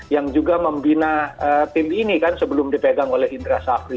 yang juga membina tim ini kan sebelum dipegang oleh indra safri